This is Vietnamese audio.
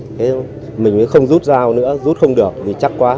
thế mình mới không rút dao nữa rút không được vì chắc quá